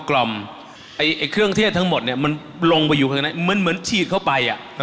เครื่องเทศทั้งหมดมันลงไปอยู่ข้างในเหมือนฉีดเข้าไป